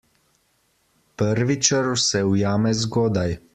Prvi črv se ujame zgodaj.